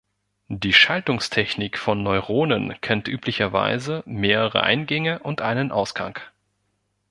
Die „Schaltungstechnik“ von Neuronen kennt üblicherweise mehrere Eingänge und einen Ausgang.